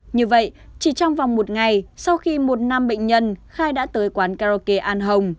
như vậy chỉ trong vòng một ngày sau khi một nam bệnh nhân khai đã tới quán karaoke an hồng